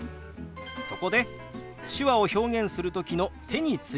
そこで手話を表現する時の手についてです。